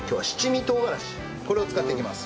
これを使っていきます。